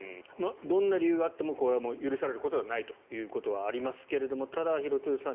どんな理由があっても許されることではないということはありますがただ、廣津留さん